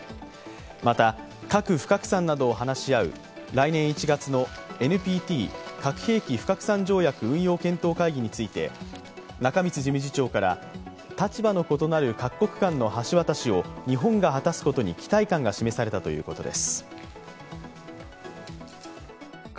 また核不拡散などを話し合う来年１月のＮＰＴ＝核拡散防止条約・運用検討会議について中満事務次長から、立場の異なる各国間の橋渡しを日本が果たすことに期待感が示されたということです。